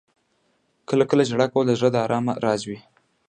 • کله کله ژړا کول د زړه د آرام راز وي.